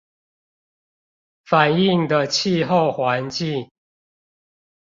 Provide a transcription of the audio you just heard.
反映的氣候環境